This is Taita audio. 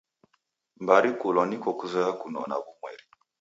Mbari kulwa niko kuzoya kunona w'umweri.